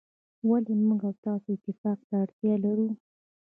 ولي موږ او تاسو اتفاق ته اړتیا لرو.